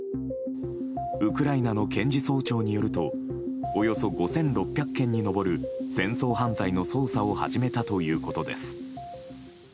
ウクライナの検事総長によるとおよそ５６００件に上る戦争犯罪の捜査を始めたということです。